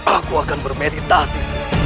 aku akan bermeditasi